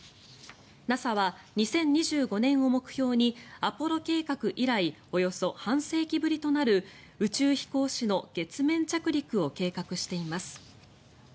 ＮＡＳＡは２０２５年を目標にアポロ計画以来およそ半世紀ぶりとなる宇宙飛行士の月面着陸を計画しています。